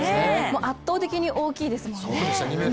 圧倒的に大きいですもんね。